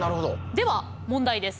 では問題です。